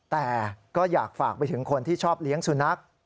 แต่ก็อยากฝากไปถึงคนที่ชอบเลี้ยงสุนัข